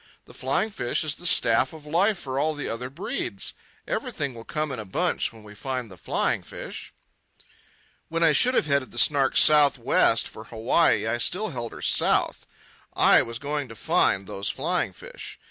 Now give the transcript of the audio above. The flying fish is the staff of life for all the other breeds. Everything will come in a bunch when we find the flying fish." When I should have headed the Snark south west for Hawaii, I still held her south. I was going to find those flying fish.